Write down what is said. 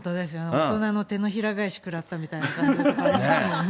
大人の手のひら返し食らったみたいな感じありますよね、